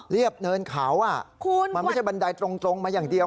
เนินเขามันไม่ใช่บันไดตรงมาอย่างเดียว